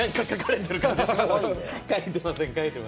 書いてません。